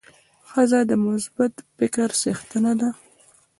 ښځه د مثبت فکر څښتنه ده.